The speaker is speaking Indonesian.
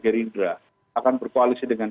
erindra akan berkoalisi dengan